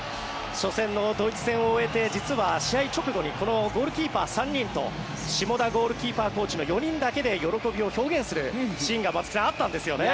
初戦のドイツ戦を終えて実は試合直後にこのゴールキーパー３人と霜田ゴールキーパーコーチの４人だけで喜びを表現するシーンが松木さん、あったんですよね。